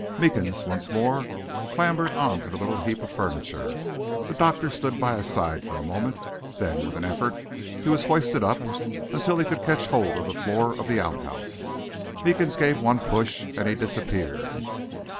Meekins once more clambered on to the little heap of furniture. The doctor stood by his side for a moment. Then, with an effort, he was hoisted up until he could catch hold of the floor of the outhouse. Meekins gave one push, and he disappeared.